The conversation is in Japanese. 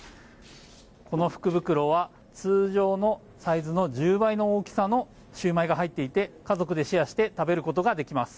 この福袋は通常のサイズの１０倍の大きさのシューマイが入っていて家族でシェアして食べることができます。